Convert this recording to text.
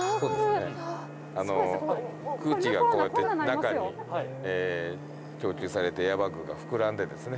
空気がこうやって中に供給されてエアバッグが膨らんでですね